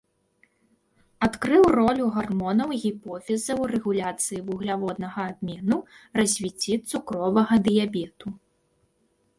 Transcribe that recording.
Адкрыў ролю гармонаў гіпофіза ў рэгуляцыі вугляводнага абмену, развіцці цукровага дыябету.